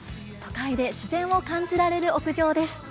都会で自然を感じられる屋上です。